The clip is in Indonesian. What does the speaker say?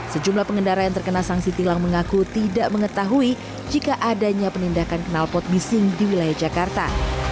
sejumlah pengendara yang terkena sanksi tilang mengaku tidak mengetahui jika adanya penindakan kenalpot bising di wilayah jakarta